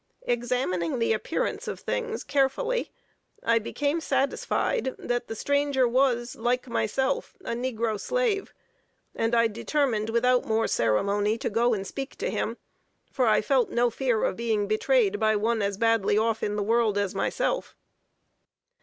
Examining the appearance of things carefully, I became satisfied that the stranger was, like myself, a negro slave, and I determined, without more ceremony, to go and speak to him, for I felt no fear of being betrayed by one as badly off in the world as myself.